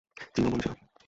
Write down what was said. জি, ও বলেছিল।